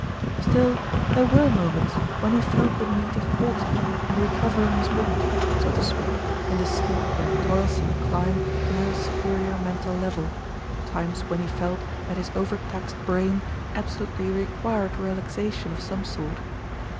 Still, there were moments when he felt the need of halting and recovering his wind, so to speak, in the steep and toilsome climb to her superior mental level times when he felt that his overtaxed brain absolutely required relaxation of some sort.